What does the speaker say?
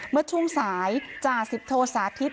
เมื่อช่วงสายจ่าสิบโทสาธิต